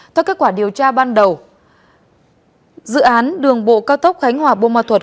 theo kết quả điều tra ban đầu dự án đường bộ cao tốc khánh hòa bô ma thuật